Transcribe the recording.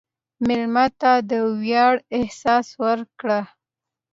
مېلمه ته د ویاړ احساس ورکړه.